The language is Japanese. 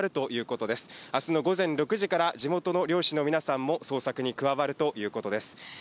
あすの午前６時から、地元の漁師の皆さんも捜索に加わるということです。